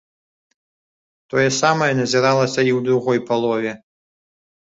Тое самае назіралася і ў другой палове.